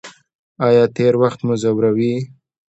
ایا تیر وخت مو ځوروي؟